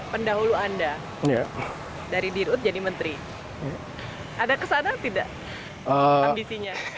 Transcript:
pendahulu anda dari dirut jadi menteri ada kesana tidak ambisinya